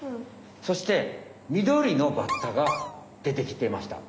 そしてみどりのバッタが出てきてました。